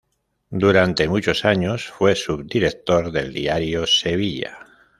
Durante muchos años fue subdirector del diario "Sevilla".